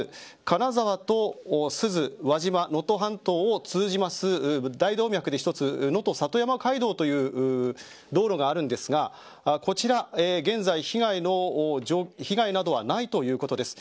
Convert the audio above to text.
もう１つ、金沢と珠洲輪島、能登半島を通じます大動脈で、１つ能登里山街道という道路があるんですがこちら、現在被害などはないということです。